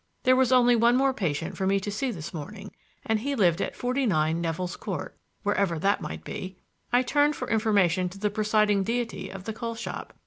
There was only one more patient for me to see this morning, and he lived at 49, Nevill's Court, wherever that might be. I turned for information to the presiding deity of the coal shop.